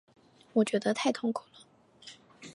我觉得太痛苦了